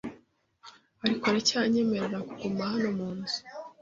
Ariko aracyanyemerera kuguma hano munzu